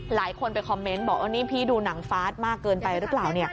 หลายคนไปคอมเมนต์บอกนี่พี่ดูหนังฟาสมากเกินไปหรือเปล่า